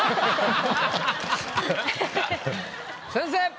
先生！